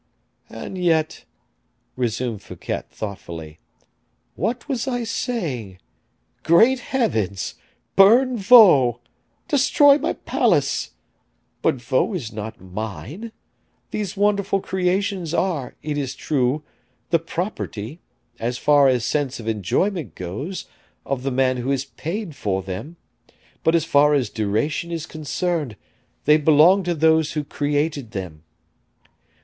"And yet," resumed Fouquet, thoughtfully, "what was I saying? Great heavens! burn Vaux! destroy my palace! But Vaux is not mine; these wonderful creations are, it is true, the property, as far as sense of enjoyment goes, of the man who has paid for them; but as far as duration is concerned, they belong to those who created them.